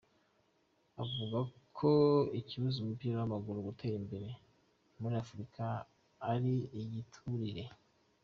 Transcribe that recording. Avuga ko ikibuza umupira w'amaguru gutera imbere muri Afrika ari "igiturire".